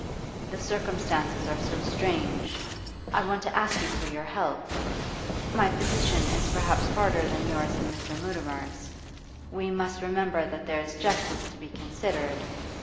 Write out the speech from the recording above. The circumstances are so strange. I want to ask you for your help; my position is perhaps harder than yours and Mr. Mutimer's. We must remember that there is justice to be considered.